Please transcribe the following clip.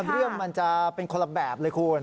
เรื่องมันจะเป็นคนละแบบเลยคุณ